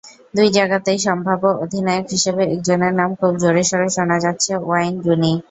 দুই জায়গাতেই সম্ভাব্য অধিনায়ক হিসেবে একজনের নাম খুব জোরেশোরে শোনা যাচ্ছে—ওয়েইন রুনি।